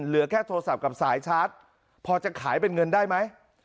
เหลือแค่โทรศัพท์กับสายชาร์จพอจะขายเป็นเงินได้ไหม